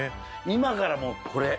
今からもうこれ。